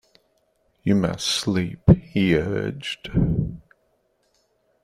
You must sleep, he urged.